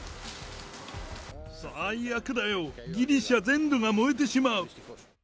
最悪だよ、ギリシャ全土が燃えてしまう。